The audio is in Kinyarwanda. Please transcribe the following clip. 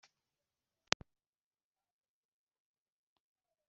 kalisa yarariye akirangiza arasinzira